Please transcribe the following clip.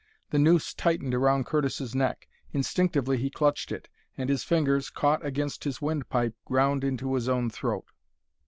The noose tightened around Curtis's neck. Instinctively he clutched it, and his fingers, caught against his windpipe, ground into his own throat.